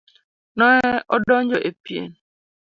Ne odonjo e pien.